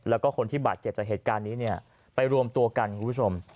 แล้วก็คนที่บาดเจ็บจากเหตุการณ์นี้เนี่ยไปรวมตัวกันคุณผู้ชม